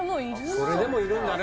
それでもいるんだね